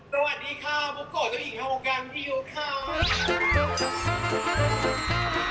สวัสดีครับผมโกรธเจ้าหญิงทางโครงการพี่ยุทธครับ